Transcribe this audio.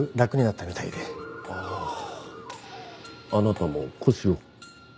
あああなたも腰を。